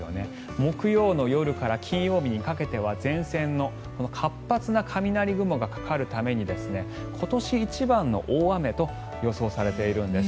木曜のよるから金曜日にかけては前線の活発な雷雲がかかるために、今年一番の大雨と予想されているんです。